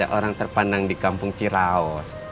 yang orang terpandang di kampung ciraos